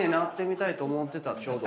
ちょうど。